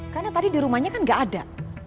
karena tadi di rumahnya kan gak ada